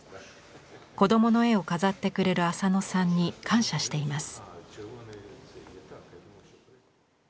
子どもの絵を飾ってくれる浅野さんに感謝しています。